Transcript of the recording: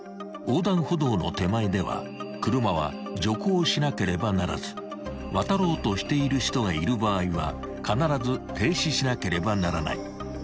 ［横断歩道の手前では車は徐行しなければならず渡ろうとしている人がいる場合は必ず停止しなければならない］